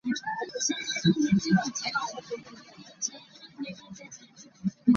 He earned three Super Bowl rings with the Patriots.